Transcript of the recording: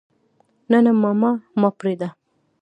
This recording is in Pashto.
نه نه ماما ما پرېده.